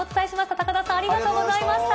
高田さん、ありがとうございました。